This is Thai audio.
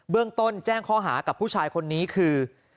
เรื่องต้นแจ้งข้อหากับผู้ชายคนนี้คือ